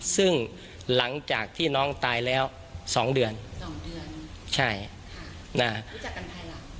ซึ่งหลังจากที่น้องตายแล้วสองเดือนสองเดือนใช่รู้จักกันภายหลัง